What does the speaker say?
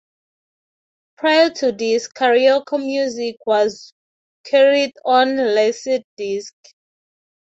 Prior to this, karaoke music was carried on laserdiscs.